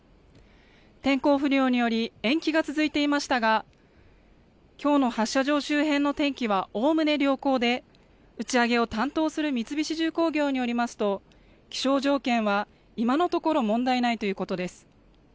天候不良により延期が続いていましたが、きょうの発射場周辺の天気はおおむね良好で、打ち上げを担当する三菱重工業によりますと、気象条件は今のところ問題ないということです。